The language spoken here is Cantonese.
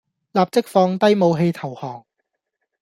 立即放低武器投降